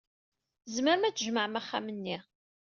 Tzemrem ad tjemɛem axxam-nni.